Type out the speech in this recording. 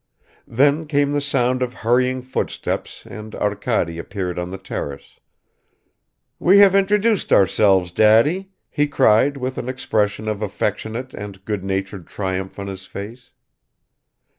Then came the sound of hurrying footsteps and Arkady appeared on the terrace. "We have introduced ourselves, Daddy!" he cried with an expression of affectionate and good natured triumph on his face.